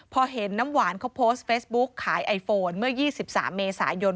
พอเห็นน้ำหวานเขาโพสต์เฟซบุ๊กขายไอโฟนเมื่อ๒๓เมษายน